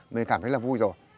mình cảm thấy là vui rồi